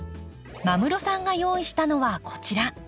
間室さんが用意したのはこちら。